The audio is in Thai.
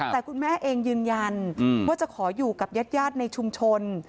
แต่คุณแม่เองยืนยันว่าจะขออยู่กับญาติในชุมชน